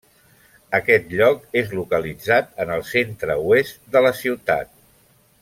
Aquest lloc és localitzat en el centre oest de la ciutat.